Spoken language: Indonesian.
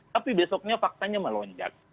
tapi besoknya faktanya melonjak